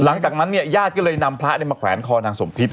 หลังจากนั้นเนี่ยญาติก็เลยนำพระมาแขวนคอนางสมพิษ